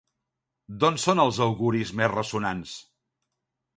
D'on són els auguris més ressonants?